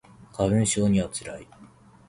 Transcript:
花粉症には辛い